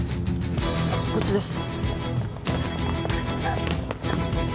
こっちです！